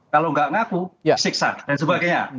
kalau nggak ngaku siksa dan sebagainya